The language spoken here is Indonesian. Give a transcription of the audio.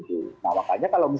apakah kalau misalnya kewenangan